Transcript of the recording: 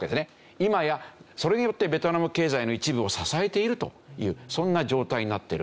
今やそれによってベトナム経済の一部を支えているというそんな状態になってる。